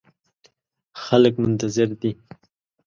خلګ منتظر دي